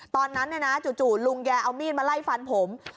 ตอนนั้นจู่ลุงแกเอามีดมาไล่ฟันผม